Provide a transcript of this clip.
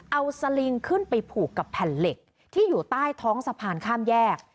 เอาสลิงขึ้นไปผูกกับแผ่นเหล็กที่อยู่ใต้ท้องสะพานข้ามแยก